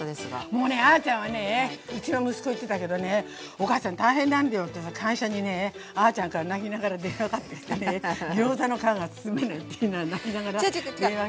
もうねあちゃんはねえうちの息子言ってたけどねお母さん大変なんだよってさ会社にねあちゃんから泣きながら電話かかってきてねギョーザの皮が包めないって泣きながら電話。